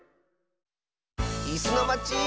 「いすのまち」。